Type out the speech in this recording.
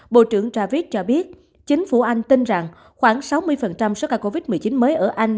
bộ trưởng ravick cho biết chính phủ anh tin rằng khoảng sáu mươi số ca covid một mươi chín mới ở anh